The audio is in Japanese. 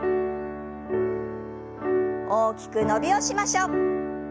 大きく伸びをしましょう。